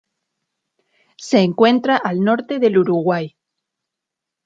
Se encuentra al norte del Uruguay.